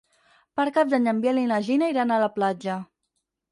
Per Cap d'Any en Biel i na Gina iran a la platja.